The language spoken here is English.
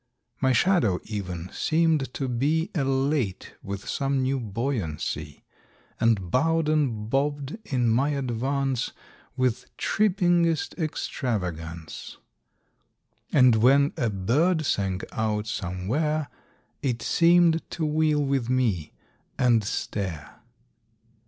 My shadow even seemed to be Elate with some new buoyancy, And bowed and bobbed in my advance With trippingest extravagance, And when a bird sang out somewhere, It seemed to wheel with me, and stare.